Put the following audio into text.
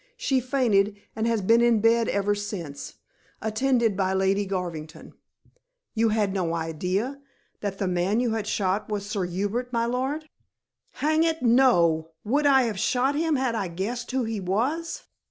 She fainted and has been in bed ever since, attended by Lady Garvington." "You had no idea that the man you shot was Sir Hubert, my lord?" "Hang it, no! Would I have shot him had I guessed who he was?"